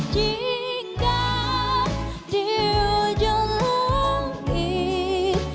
jika di ujung langit